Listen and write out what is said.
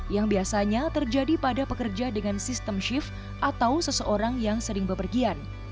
yang biasanya terjadi pada pekerja dengan sistem shift atau seseorang yang sering bepergian